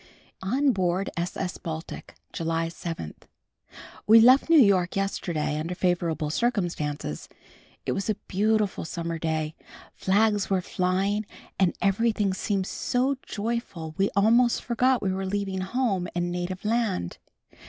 On board S.S. Baltic, July 7. We left New York yesterday under favorable circumstances. It was a beautiful summer day, flags were flying and everything seemed so joyful we almost forgot we were leaving home and native land.